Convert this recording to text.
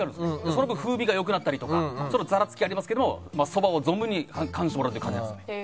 その分風味が良くなったりとかちょっとザラつきありますけどもそばを存分に感じてもらうっていう感じですね。